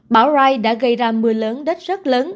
bão rai đã gây ra mưa lớn đất rất lớn